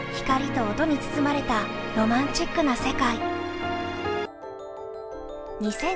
光と音に包まれたロマンチックな世界。